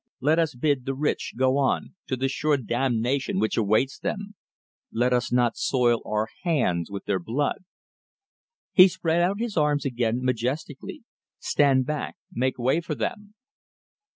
Let us bid the rich go on, to the sure damnation which awaits them. Let us not soil our hands with their blood!" He spread out his arms again, majestically. "Stand back! Make way for them!"